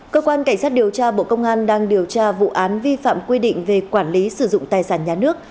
cơ quan cảnh sát điều tra bộ công an đang điều tra vụ án vi phạm quy định về quản lý sử dụng tài sản nhà nước